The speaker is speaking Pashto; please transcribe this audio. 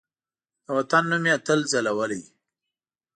د وطن نوم یې تل ځلولی